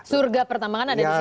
surga pertambangan ada di sini